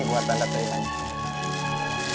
ini buat tandatangani